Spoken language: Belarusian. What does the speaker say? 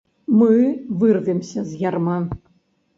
Мы вырвемся з ярма!